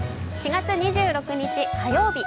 ４月２６日火曜日。